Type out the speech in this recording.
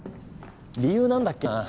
理由何だっけな。